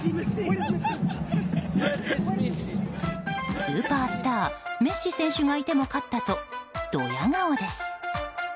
スーパースターメッシ選手がいても勝ったとドヤ顔です。